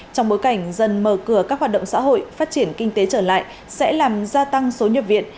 trong bối cảnh dân mở cửa các hoạt động xã hội phát triển kinh tế trở lại sẽ làm gia tăng số nhập viện